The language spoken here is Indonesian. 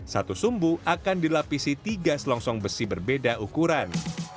satu sumbu akan dilapisi tiga selongsong besi berbeda ukuran